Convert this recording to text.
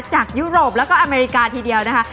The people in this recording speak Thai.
ยุโรปแล้วก็อเมริกาทีเดียวนะคะ